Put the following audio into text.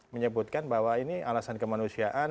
menyebutkan bahwa ini alasan kemanusiaan